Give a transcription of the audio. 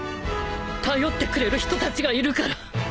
頼ってくれる人たちがいるから。